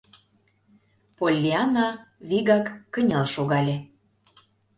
Поллианна вигак кынел шогале.